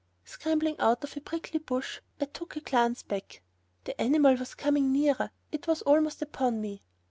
Scrambling out of a prickly bush I took a glance back. The animal was coming nearer! It was almost upon me!